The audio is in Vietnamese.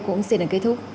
cũng sẽ đến kết thúc